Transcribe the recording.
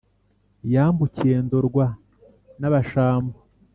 Yambukiye Ndorwa y’abashambo